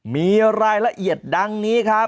มีรายละเอียดดังนี้